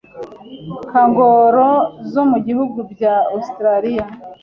kangaroo zo mu bihugu bya Australia,